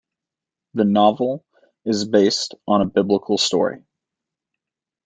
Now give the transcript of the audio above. The novel is based on a Biblical story.